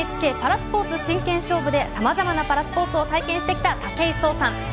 「パラスポーツ真剣勝負」でさまざまなパラスポーツを体験してきた武井壮さん。